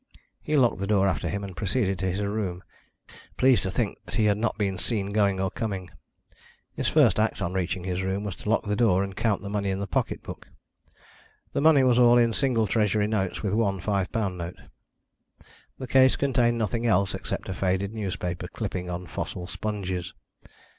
He locked the door after him, and proceeded to his room, pleased to think he had not been seen going or coming. His first act on reaching his room was to lock the door and count the money in the pocket book. The money was all in single Treasury notes, with one five pound note. The case contained nothing else except a faded newspaper clipping on Fossil Sponges.